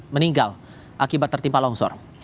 meninggal akibat tertimpa longsor